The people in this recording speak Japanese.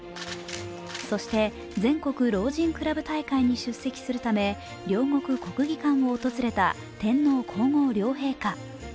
そして、全国老人クラブ大会に出席するため両国国技館を訪れた天皇皇后両陛下。